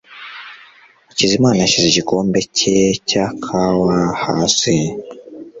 hakizamana yashyize igikombe cye cya kawa hasi.